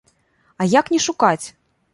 А як не шукаць?